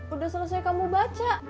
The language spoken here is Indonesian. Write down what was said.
udah selesai kamu baca